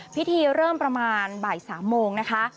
พิธีเริ่มประมาณบ่าย๓โมงนะคะ